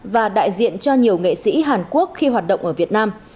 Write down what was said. và đại diện cho nhiều nghệ sĩ hàn quốc khi hoạt động ở việt nam